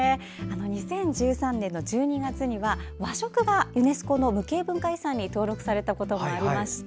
２０１３年１２月には和食がユネスコの無形文化遺産に登録されたこともありまして